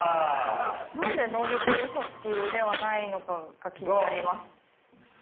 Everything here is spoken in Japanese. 何で能力不足ではないのかが気になります。